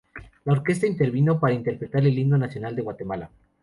La orquesta intervino para interpretar el Himno Nacional de Guatemala.